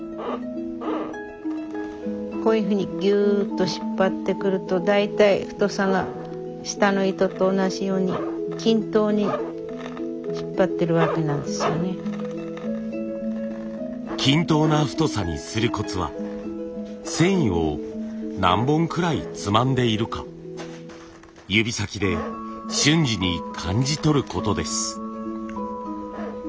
こういうふうにギューッと引っ張ってくると大体太さが下の糸と同じように均等な太さにするコツは繊維を何本くらいつまんでいるか指先で瞬時に感じとることです。